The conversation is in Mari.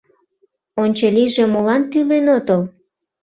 Ончылийже молан тӱлен отыл?